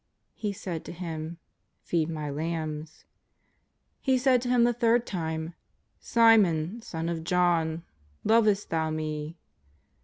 '' He said to him :'* Feed My lambs." He said to him the third time ;" Simon, son of John, lovest thou Me?"